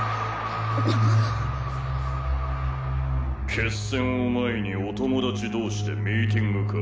「決戦を前にお友達同士でミーティングか？」